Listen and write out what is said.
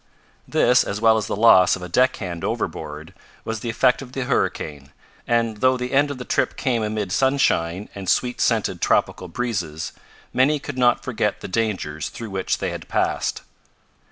This, as well as the loss of a deckhand overboard, was the effect of the hurricane, and though the end of the trip came amid sunshine and sweet scented tropical breezes, many could not forget the dangers through which they had passed.